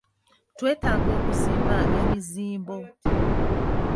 Twetaaga okuzimba emizimbo.